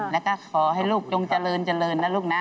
แล้วก็ขอให้ลูกจงเจริญเจริญนะลูกนะ